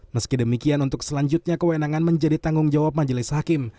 meski demikian untuk selanjutnya kewenangan menjadi tanggung jawab majelis hakim